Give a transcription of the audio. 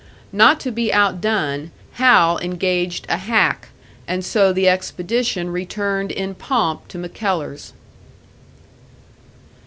Not to be outdone, Hal engaged a hack, and so the expedition returned in pomp to MacKellar's.